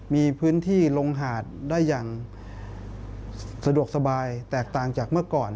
มีพื้นที่ลงหาดได้อย่างสะดวกสบายแตกต่างจากเมื่อก่อน